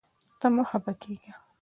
ته مه خفه کېږه.